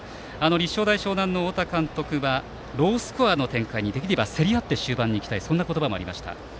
立正大淞南の太田監督はロースコアの展開にできれば競り合って終盤に行きたいとそんな言葉もありました。